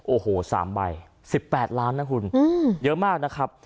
โอ้โห๓ใบ๑๘ล้านนะคุณเยอะมากนะครับ